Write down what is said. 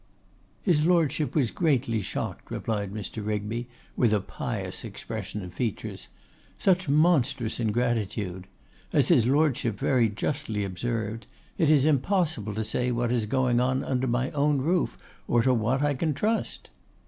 'His Lordship was greatly shocked,' replied Mr. Rigby, with a pious expression of features. 'Such monstrous ingratitude! As his Lordship very justly observed, "It is impossible to say what is going on under my own roof, or to what I can trust."